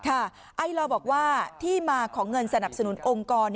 ไอลอบอกว่าที่มาของเงินสนับสนุนองค์กร